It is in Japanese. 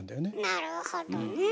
なるほどね。